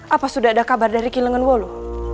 apa sudah ada kabar dari kilangan wolu